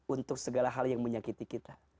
untuk segala hal yang menyakiti kita